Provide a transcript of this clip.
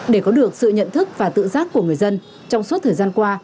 để có được sự nhận thức và tự giác của người dân trong suốt thời gian qua